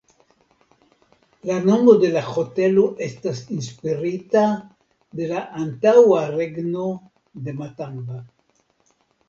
La nomo de la hotelo estas inspirita de la antaŭa regno de Matamba.